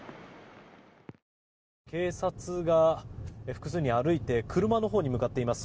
警察が複数人歩いて車のほうに向かっています。